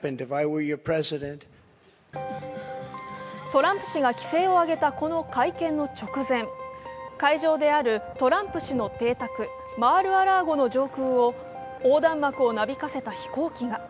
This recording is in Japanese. トランプ氏が気勢を上げたこの会見の直前、会場であるトランプ氏の邸宅マール・ア・ラーゴの上空を横断幕をなびかせた飛行機が。